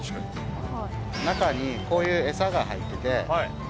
中にこういう餌が入ってて。